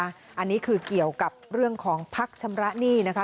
อันนี้คือเกี่ยวกับเรื่องของพักชำระหนี้นะคะ